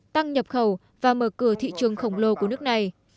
tăng nhập khẩu và mở cửa thị trường khổng lồ của nước này